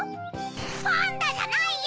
パンダじゃないよ！